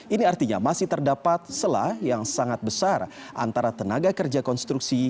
ini artinya masih terdapat selah yang sangat besar antara tenaga kerja konstruksi